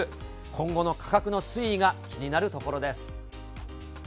今後の価格の推移が気になるところです。